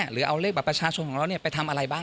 หรือเอาเลขบัตรประชาชนของเราไปทำอะไรบ้าง